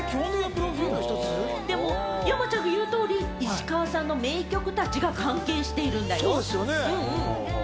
でも山ちゃんが言う通り、石川さんの名曲たちが関係してるんだよ。